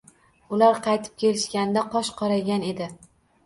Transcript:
Ular qaytib kelishganida qosh qoraygan edi.